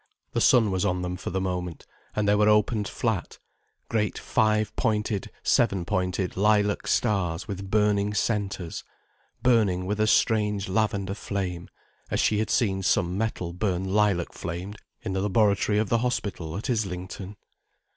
The sun was on them for the moment, and they were opened flat, great five pointed, seven pointed lilac stars, with burning centres, burning with a strange lavender flame, as she had seen some metal burn lilac flamed in the laboratory of the hospital at Islington.